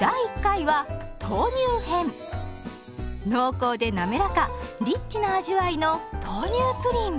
濃厚でなめらかリッチな味わいの豆乳プリン。